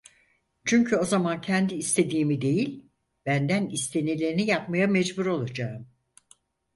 Çünkü o zaman kendi istediğimi değil, benden istenileni yapmaya mecbur olacağım.